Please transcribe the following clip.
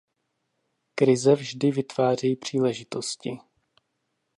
Krize vždy vytvářejí příležitosti.